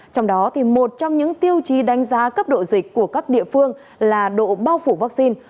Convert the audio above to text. trong đó một trong những tiêu chí đánh giá cấp độ dịch của các địa phương là độ bao phủ vaccine